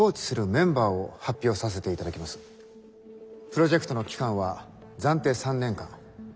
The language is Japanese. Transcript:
プロジェクトの期間は暫定３年間。